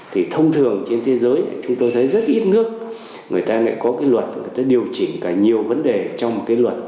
thì thông thường trên thế giới chúng tôi thấy rất ít nước người ta lại có cái luật để điều chỉnh cả nhiều vấn đề trong cái luật